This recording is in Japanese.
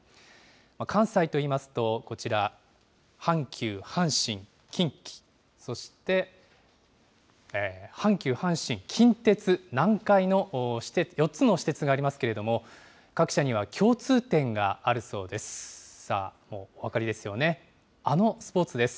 関西といいますとこちら、阪急、阪神、近畿、阪急、阪神、近鉄、南海の４つの私鉄がありますけれども、各社には共通点があるそうです。